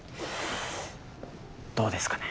どうですかね？